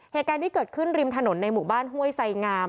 เหตุการณ์ที่เกิดขึ้นริมถนนในหมู่บ้านห้วยไสงาม